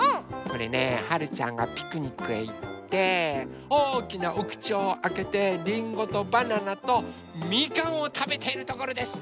これねはるちゃんがピクニックへいっておおきなおくちをあけてりんごとバナナとみかんをたべているところです！